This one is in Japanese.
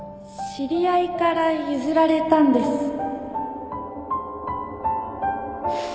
知り合いから譲られたんです